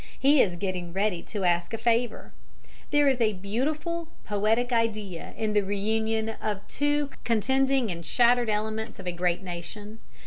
He is getting ready to ask a favor. There is a beautiful, poetic idea in the reunion of two contending and shattered elements of a great nation.